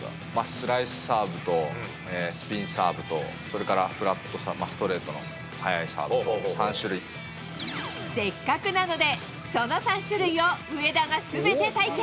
スライスサーブとスピンサーブとそれからフラット、ストレーせっかくなので、その３種類を上田がすべて体験。